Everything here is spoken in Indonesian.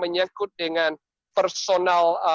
menyangkut dengan personal